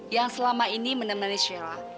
yang selama ini menemani shera